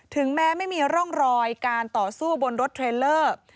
ถึงแม้ไม่มีร่องรอยการต่อสู้บนรถเทรลเลอร์